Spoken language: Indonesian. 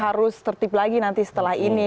harus tertib lagi nanti setelah ini